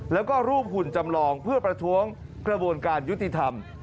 แล้วก็รูปหุ่นจำลองเพื่อประท้วงกระบวนการยุติธรรม